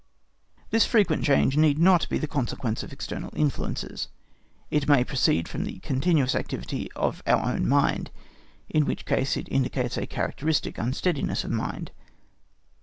This frequent change need not be the consequence of external influences; it may proceed from the continuous activity of our own mind, in which case it indicates a characteristic unsteadiness of mind.